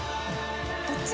こっち？